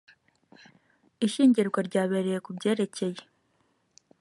ishyingirwa ryabereye ku byerekeye